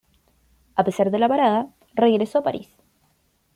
A pesar de la parada, regresó a París.